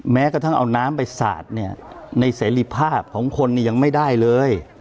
แม้กระทั่งเอาน้ำไปสาดเนี่ยในเสรีภาพของคนเนี่ยยังไม่ได้เลย